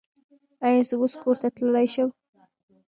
ایا زه اوس کور ته تلی شم؟